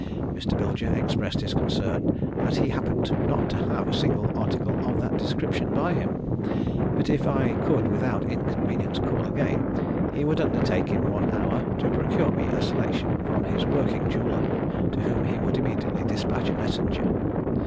Mr. Bilger expressed his concern that he happened not to have a single article of that description by him, but, if I could without inconvenience call again, he would undertake in one hour to procure me a selection from his working jeweller, to whom he would immediately despatch a messenger.